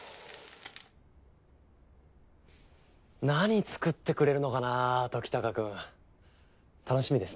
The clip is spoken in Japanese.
何作ってくれるのかなあときたかくん。